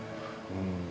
うん。